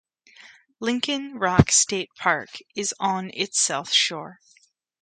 Lincoln Rock State Park is on its south shore.